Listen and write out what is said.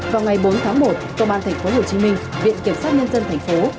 vào ngày bốn tháng một công an tp hcm viện kiểm soát nhân dân tp hcm